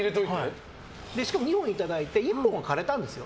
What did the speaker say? ２本いただいて１本は枯れたんですよ。